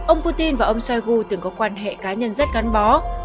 ông putin và ông shoigu từng có quan hệ cá nhân rất gắn bó